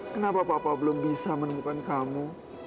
kenapa bapak belum bisa menemukan kamu